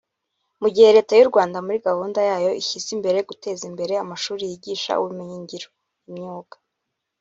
Mu gihe Leta y’u Rwanda muri gahunda yayo ishyize imbere guteza imbere amashuri yigisha ubumenyi ngiro (imyuga)